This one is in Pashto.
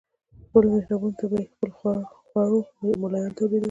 خپلو محرابونو ته به یې په خپلو خوړو ملایان تولیدول.